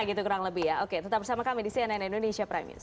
gitu kurang lebih ya oke tetap bersama kami di cnn indonesia prime news